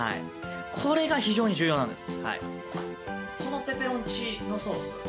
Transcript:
これが非常に重要なんです。